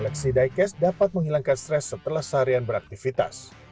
seleksi diecast dapat menghilangkan stres setelah seharian beraktivitas